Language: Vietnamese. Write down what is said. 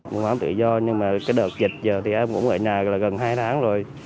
buôn bán tự do nhưng mà cái đợt dịch giờ thì em cũng ở nhà gần hai tháng rồi